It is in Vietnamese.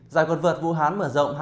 giải quân vượt vũ hán mở rộng